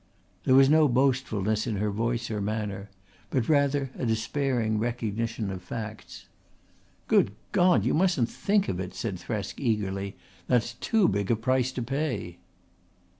There was no boastfulness in her voice or manner, but rather a despairing recognition of facts. "Good God, you mustn't think of it!" said Thresk eagerly. "That's too big a price to pay."